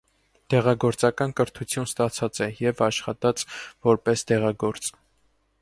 Դեղագործական կրթութիւն ստացած է եւ աշխատած՝ որպէս դեղագործ։